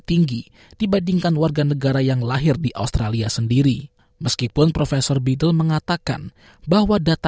peneliti mengatakan warga negara australia yang lahir di luar negeri menunjukkan tingkat kelebihan mereka